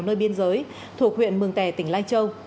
nơi biên giới thuộc huyện mường tè tỉnh lai châu